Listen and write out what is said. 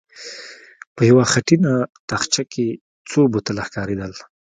په يوه خټينه تاخچه کې څو بوتله ښکارېدل.